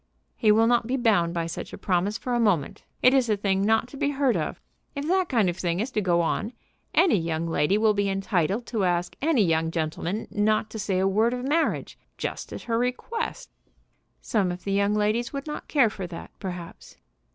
"He will not be bound by such a promise for a moment. It is a thing not to be heard of. If that kind of thing is to go on, any young lady will be entitled to ask any young gentleman not to say a word of marriage, just at her request." "Some of the young ladies would not care for that, perhaps."